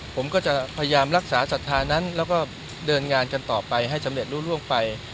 ผมก็จะพยายามรักษาศรัทธานั้นแล้วก็เดินงานกันต่อไปให้สำเร็จรู้ร่วงไป